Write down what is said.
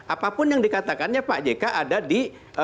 apapun yang dikatakannya pak jk ada di